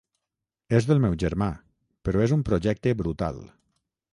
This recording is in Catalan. És del meu germà, però és un projecte brutal.